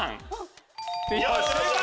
正解！